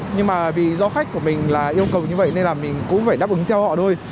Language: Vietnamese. nhưng mà vì do khách của mình là yêu cầu như vậy nên là mình cũng phải đáp ứng cho họ thôi